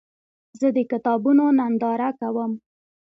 زه د کتابونو ننداره کوم.